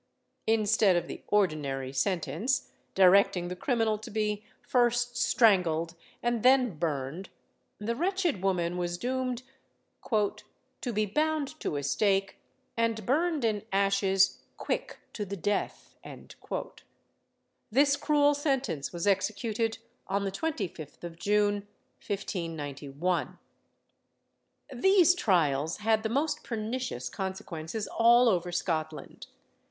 Instead of the ordinary sentence, directing the criminal to be first strangled and then burned, the wretched woman was doomed "to be bound to a stake, and burned in ashes, quick to the death." This cruel sentence was executed on the 25th of June, 1591. These trials had the most pernicious consequences all over Scotland.